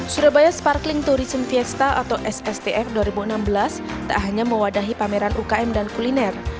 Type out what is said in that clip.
surabaya sparkling tourism fiesta atau sstf dua ribu enam belas tak hanya mewadahi pameran ukm dan kuliner